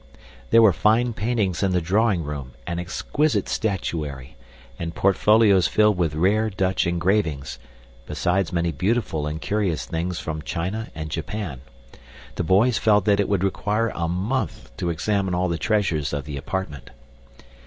There were fine paintings in the drawing room and exquisite statuary, and portfolios filled with rare Dutch engravings, besides many beautiful and curious things from China and Japan. The boys felt that it would require a month to examine all the treasures of the apartment.